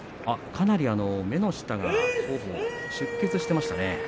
かなり目の下が王鵬は出血していましたね。